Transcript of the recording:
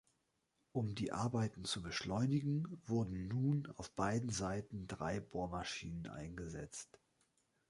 Um die Arbeiten zu beschleunigen, wurden nun auf beiden Seiten drei Bohrmaschinen eingesetzt.